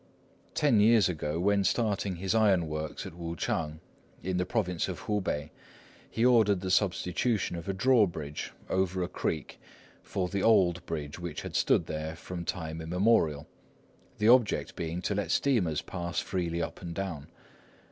Ten years ago, when starting his iron works at Wuchang, in the province of Hupeh, he ordered the substitution of a drawbridge over a creek for the old bridge which had stood there from time immemorial, the object being to let steamers pass freely up and down.